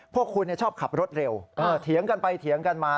พวกคุณชอบขับรถเร็วเถียงกันไปเถียงกันมา